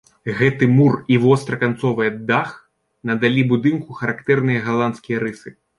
Гэты мур і востраканцовая дах надалі будынку характэрныя галандскія рысы.